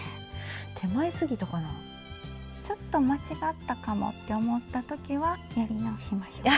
手前ちょっと間違ったかもって思った時はやり直しましょうか。